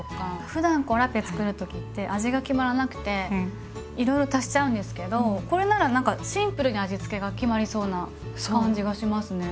ふだんラペつくる時って味が決まらなくて色々足しちゃうんですけどこれなら何かシンプルに味付けが決まりそうな感じがしますね。